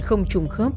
không trùng khớp